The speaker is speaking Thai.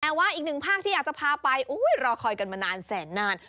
แต่ว่าอีกหนึ่งภาคที่อยากจะพาไปรอคอยกันมานานแสนนาน